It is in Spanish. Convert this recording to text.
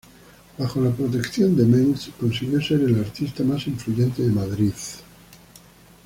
Bajo la protección de Mengs, consiguió ser el artista más influyente de Madrid.